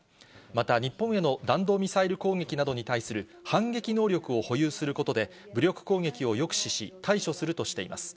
また日本への弾道ミサイル攻撃などに対する反撃能力を保有することで、武力攻撃を抑止し、対処するとしています。